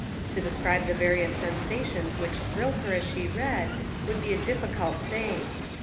To describe the various sensations which thrilled her as she read, would be a difficult thing.